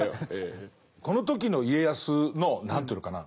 この時の家康の何というのかな